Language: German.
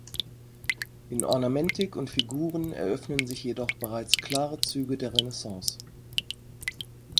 In Ornamentik und Figuren eröffnen sich jedoch bereits klare Züge der Renaissance.